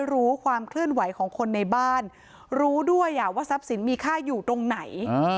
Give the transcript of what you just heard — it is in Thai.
รู้ความเคลื่อนไหวของคนในบ้านรู้ด้วยว่าทรัพย์สินมีค่าอยู่ตรงไหน